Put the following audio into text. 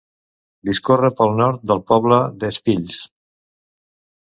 Discorre pel nord del poble d'Espills.